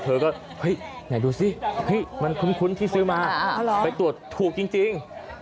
เธอก็เฮ้ยไหนดูสิมันคุ้นที่ซื้อมาไปตรวจถูกจริง